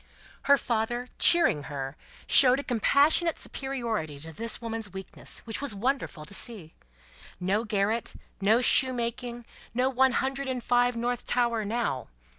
Her father, cheering her, showed a compassionate superiority to this woman's weakness, which was wonderful to see. No garret, no shoemaking, no One Hundred and Five, North Tower, now!